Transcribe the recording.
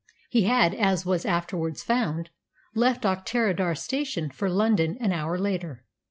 He had, as was afterwards found, left Auchterarder Station for London an hour later.